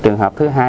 trường hợp thứ hai